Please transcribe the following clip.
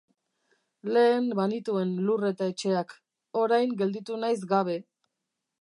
Lehen banituen lur eta etxeak, orain gelditu naiz gabe.